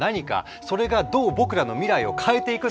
それがどう僕らの未来を変えていくのかっていう。